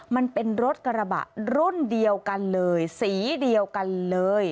มันเป็นรถกระบะรุ่นเดียวกันเลยสีเดียวกันเลย